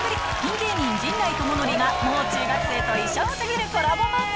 芸人、陣内智則がもう中学生と異色すぎるコラボ漫才。